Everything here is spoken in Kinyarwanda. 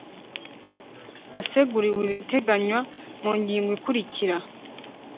aseguriwe ibiteganywa mungingo ikurikira